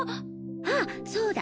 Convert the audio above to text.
あっそうだ。